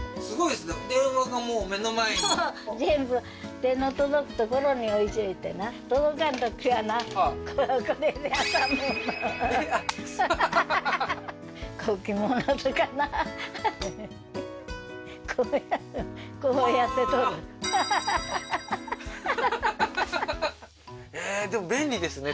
でも便利ですね